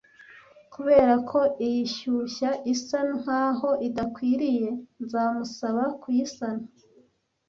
Kubera ko iyi shyushya isa nkaho idakwiriye, nzamusaba kuyisana.